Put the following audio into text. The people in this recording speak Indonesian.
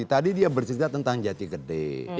tadi dia bercerita tentang jati gede